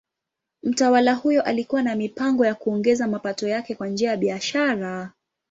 Mtawala huyo alikuwa na mipango ya kuongeza mapato yake kwa njia ya biashara.